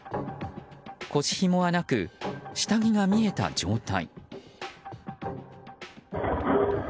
腰ひもはなく、下着が見えた状態。